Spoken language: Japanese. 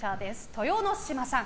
豊ノ島さん。